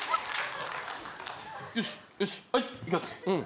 よしよしはいいきます。